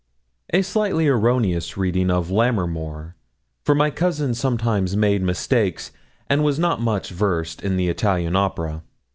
A slightly erroneous reading of Lammermoor, for my cousin sometimes made mistakes, and was not much versed in the Italian opera.